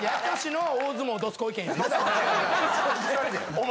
お前。